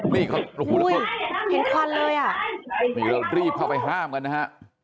นี่เขาโอ้โหแล้วเขาเห็นควันเลยอ่ะนี่เรารีบเข้าไปห้ามกันนะฮะ